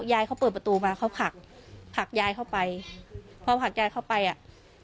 ยายเขาเปิดประตูมาเขาผลักผักยายเข้าไปพอผลักยายเข้าไปอ่ะ